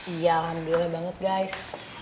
iya alhamdulillah banget guys